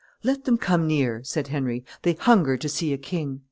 "Let them come near," said Henry; "they hunger to see a king."